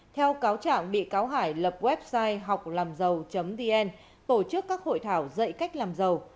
theo cáo trạng bị cáo hải lập website họclamdầu dn tổ chức các hội thảo dạy cách làm giàu